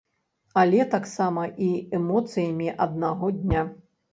Але таксама і эмоцыямі аднаго дня.